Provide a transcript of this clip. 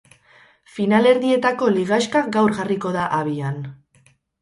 Finalerdietako ligaxka gaur jarriko da abian.